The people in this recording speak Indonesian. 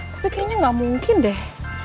tapi kayaknya nggak mungkin deh